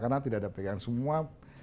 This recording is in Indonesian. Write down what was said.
karena tidak ada pegangan semua